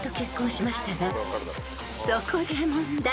［そこで問題］